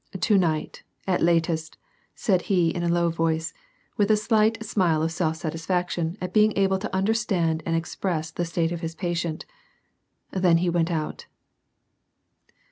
"To night, at latest," said he in a low voice, with a slight smile of self satisfaction at being able to understand and ex press the state of his patient ; then he went out.